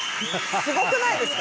「すごくないですか？」